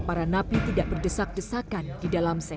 para napi tidak berdesak desakan di dalam sel